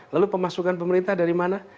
lalu pemasukan pemerintah dari mana